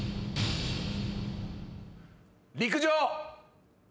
陸上。